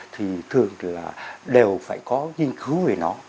thì thường là đều phải có nghiên cứu về nó